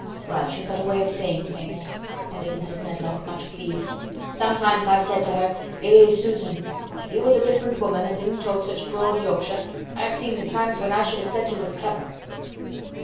"Well, she's got a way of saying things," ended Mrs. Medlock, much pleased. "Sometimes I've said to her, 'Eh! Susan, if you was a different woman an' didn't talk such broad Yorkshire I've seen the times when I should have said you was clever.